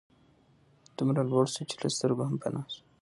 دومره لوړ سو چي له سترګو هم پناه سو